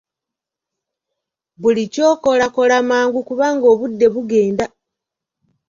Buli ky’okola kola mangu kubanga obudde bugenda.